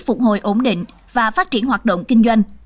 phục hồi ổn định và phát triển hoạt động kinh doanh